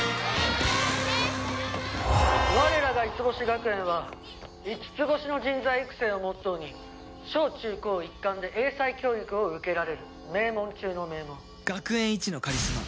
「我らが五星学園は“五つ星の人材育成”をモットーに小中高一貫で英才教育を受けられる名門中の名門」学園一のカリスマ